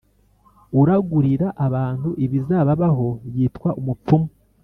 uragurira abantu ibizababaho yitwa umupfumu